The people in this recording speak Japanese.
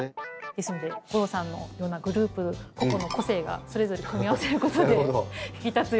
ですので吾郎さんのようなグループ個々の個性がそれぞれ組み合わせることで引き立つような。